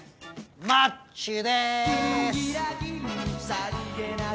マッチです！